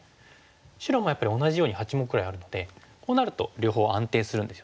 白もやっぱり同じように八目ぐらいあるのでこうなると両方安定するんですよね。